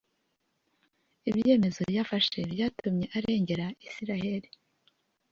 ibyemezo yafashe byatumye arengera israheli.